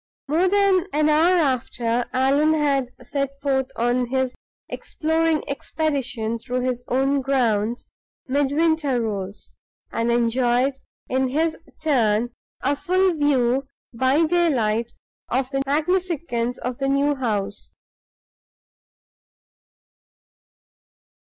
More than an hour after Allan had set forth on his exploring expedition through his own grounds, Midwinter rose, and enjoyed, in his turn, a full view by daylight of the magnificence of the new house.